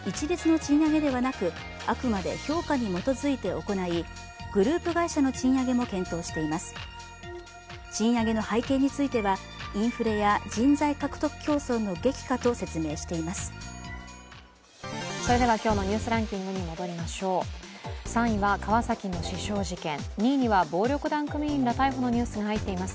賃上げの背景についてはインフレや人材獲得競争の激化と説明しています。